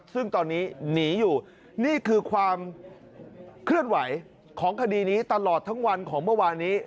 ซึ่งตอนนี้หนีอยู่นี่คือความเคลื่อนไหวของคดีนี้ตลอดทั้งวันของเมื่อวานนี้